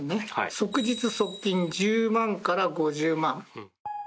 即日即金１０万から５０万。